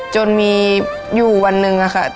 จนมีอยู่วันหนึ่งค่ะ